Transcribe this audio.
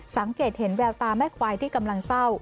สังเกตเห็นแววตาแม่ควายที่กำลังเศร้า